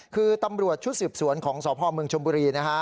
คือตำรวจชุดสืบสวนของสพเมืองชนโบรี